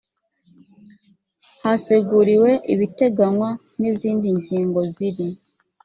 haseguriwe ibiteganywa n izindi ngingo z iri